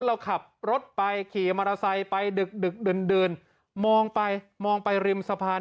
เราขับรถไปขี่มอเตอร์ไซค์ไปดึกดึกดื่นมองไปมองไปริมสะพาน